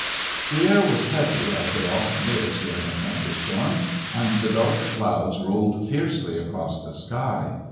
The air was heavy, as it often is during a thunderstorm, and the dark clouds rolled fiercely across the sky.